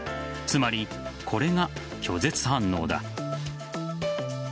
つまり、これが拒絶反応だ。